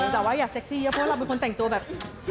แต่ว่าอยากเซ็กซี่เยอะเพราะเราเป็นคนแต่งตัวแบบ